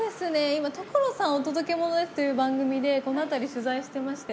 今『所さんお届けモノです！』という番組でこの辺り取材してまして。